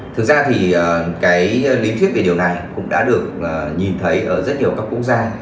thực ra thì cái lý thuyết về điều này cũng đã được nhìn thấy ở rất nhiều các quốc gia